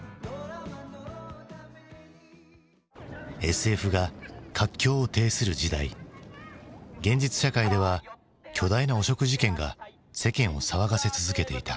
ＳＦが活況を呈する時代現実社会では巨大な汚職事件が世間を騒がせ続けていた。